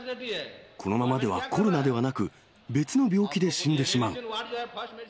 このままではコロナではなく、別の病気で死んでしまう。